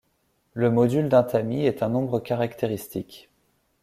Le module d'un tamis est un nombre caractéristique.